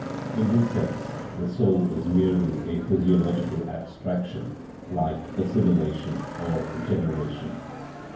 In this sense the "soul" is merely a physiological abstraction like "assimilation" or "gene ration."